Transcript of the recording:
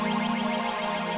rinamu masuk ke kamar ya